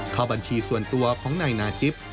เข้าบัญชีส่วนตัวของนายนาจิป